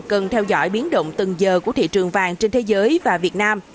cần theo dõi biến động từng giờ của thị trường vàng trên thế giới và việt nam